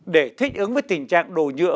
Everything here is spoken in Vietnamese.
để thích ứng với tình trạng đồ nhựa